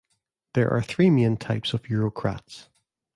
There are three main types of Eurocrats.